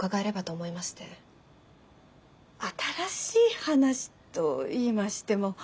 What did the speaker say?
新しい話といいましても。